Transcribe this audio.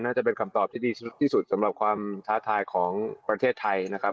จะเป็นคำตอบที่ดีที่สุดสำหรับความท้าทายของประเทศไทยนะครับ